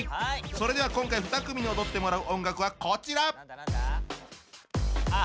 それでは今回２組に踊ってもらう音楽はこちら！